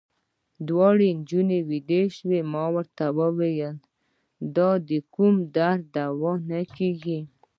دواړې نجونې وېدې وې، ما ورته وویل: دا د کوم درد نه دوا کېږي.